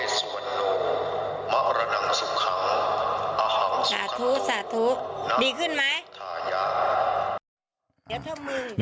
สาธุสาธุดีขึ้นไหม